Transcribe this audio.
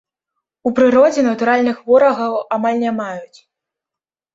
У прыродзе натуральных ворагаў амаль не маюць.